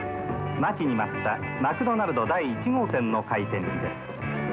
待ちに待ったマクドナルド第１号店の開店日です。